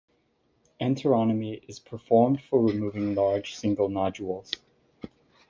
Enterotomy is performed for removing large, single nodules.